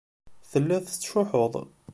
Telliḍ tettcuḥḥuḍ.